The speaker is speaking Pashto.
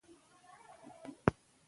کمه خبر چي ګټه نه در رسوي، هغه مه کوئ!